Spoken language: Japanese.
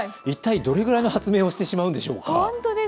一体どれくらいの発明をしてしまうんでしょうか。